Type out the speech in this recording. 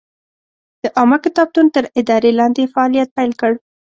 د عامه کتابتون تر ادارې لاندې یې فعالیت پیل کړ.